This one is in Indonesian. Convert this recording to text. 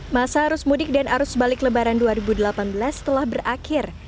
masa arus mudik dan arus balik lebaran dua ribu delapan belas telah berakhir